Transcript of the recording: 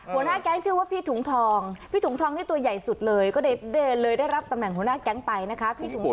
หัวหน้าแก๊งชื่อว่าพี่ถุงทองพี่ถุงทองนี่ตัวใหญ่สุดเลยก็เลยเดินเลยได้รับตำแหน่งหัวหน้าแก๊งไปนะคะ